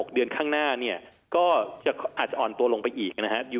๓๖เดือนข้างหน้าก็อาจอ่อนตัวลงไปอีก